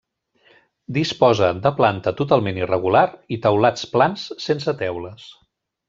Disposa de planta totalment irregular i teulats plans sense teules.